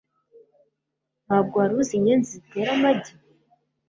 Ntabwo wari uzi inyenzi zitera amagi?